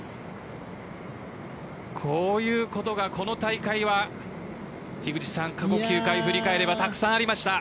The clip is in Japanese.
こういうことがこの大会は過去９回振り返ればたくさんありました。